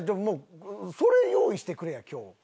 もうそれ用意してくれや今日。